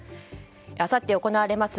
あさって行われます